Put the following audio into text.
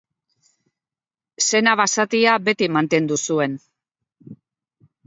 Sena basatia beti mantendu zuen.